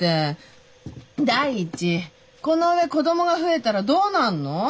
第一この上子供が増えたらどうなんの？